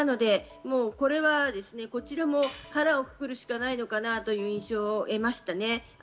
これはこちらも腹をくくるしかないのかなという印象を得ました。